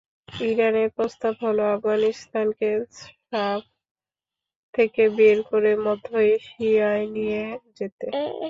ইরানের প্রস্তাব হলো, আফগানিস্তানকে সাফ থেকে বের করে মধ্য এশিয়ায় নিয়ে যেতে।